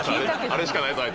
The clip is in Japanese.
あれしかないぞ